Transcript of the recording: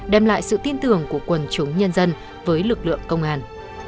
đem lại sự tin tưởng của quần chúng nhân dân với lực lượng công an